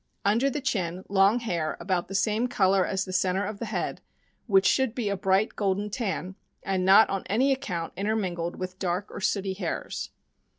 Under the chin, long hair about the same color as the center of the head, which should be a bright golden tan, and not on any account intermingled with dark or sooty hairs.